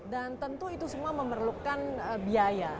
dan tentu itu semua memerlukan biaya